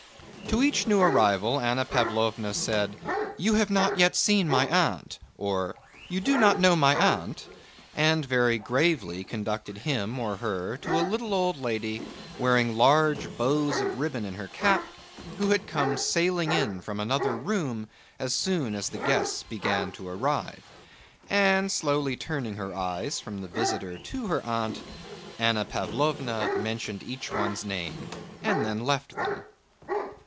To each new arrival Anna Pávlovna said, "You have not yet seen my aunt," or "You do not know my aunt?" and very gravely conducted him or her to a little old lady, wearing large bows of ribbon in her cap, who had come sailing in from another room as soon as the guests began to arrive; and slowly turning her eyes from the visitor to her aunt, Anna Pávlovna mentioned each one's name and then left them.